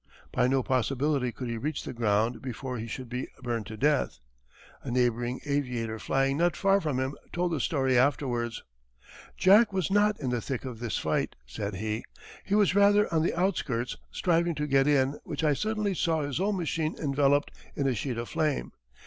By no possibility could he reach the ground before he should be burned to death. A neighbouring aviator flying not far from him told the story afterwards: Jack was not in the thick of this fight [said he]. He was rather on the outskirts striving to get in when I suddenly saw his whole machine enveloped in a sheet of flame.